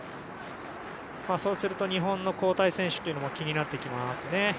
そうすると日本の交代選手も気になってきますね。